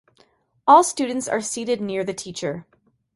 All students are seated near the teacher.